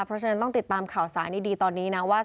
เพราะฉะนั้นต้องติดตามข่าวสารดีตอนนี้นะว่า